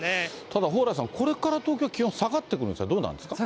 ただ、蓬莱さん、これから東京気温下がってくるんですか、どうなんですか。